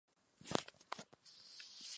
Su núcleo es la ciudad de Manizales.